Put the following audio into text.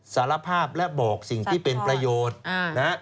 สารภาพและบอกสิ่งที่เป็นประโยชน์นะฮะ